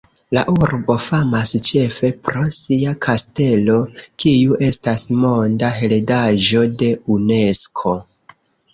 La urbo famas ĉefe pro sia kastelo, kiu estas monda heredaĵo de Unesko.